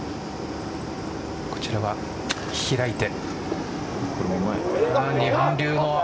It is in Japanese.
こちらは開いて。